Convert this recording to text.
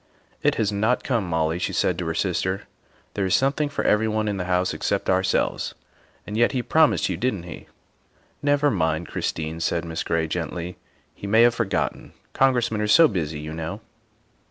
" It has not come, Molly," she said to her sister. " There is something for everyone in the house except ourselves. And yet he promised you, didn 't he ?"" Never mind, Christine," said Miss Gray gently, " he may have forgotten. Congressmen are so busy, you know."